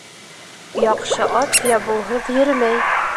Яҡшы ат ябыуһыҙ йөрөмәй.